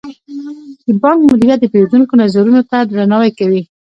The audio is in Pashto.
د بانک مدیریت د پیرودونکو نظرونو ته درناوی کوي.